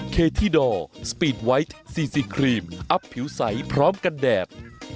เคที่ดอร์สปีดไวท์ซีซีครีมอัพผิวใสพร้อมกันแดด